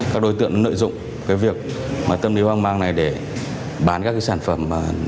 các đối tượng nội dụng cái việc tâm lý hoang mang này để bán các sản phẩm